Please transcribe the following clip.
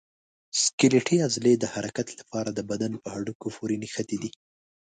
سکلیټي عضلې د حرکت لپاره د بدن په هډوکو پورې نښتي دي.